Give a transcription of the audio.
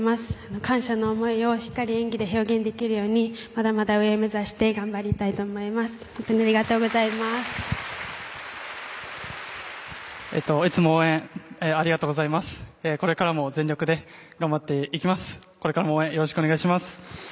感謝の思いをしっかり演技で表現できるようにまだまだ上を目指して頑張りたいと思います。